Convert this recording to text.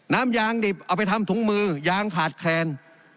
น้ำยางดิบเอาไปทำถุงมือยางขาดแคลน